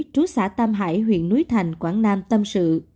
trú xã tam hải huyện núi thành quảng nam tâm sự